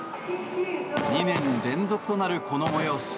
２年連続となる、この催し。